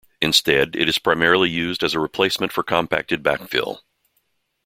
Instead, it is primarily used as a replacement for compacted backfill.